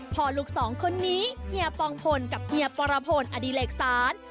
พอลูกสองคนนี้เฮียปองโฟนกับเฮียประโภนอดิเลกศาล